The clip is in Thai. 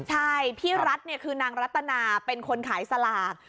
ใช่พี่รัฐเนี่ยคือนางรัตนาเป็นคนขายสลาก